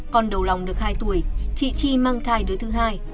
con đầu lòng được hai tuổi chị chi mang thai đứa thứ hai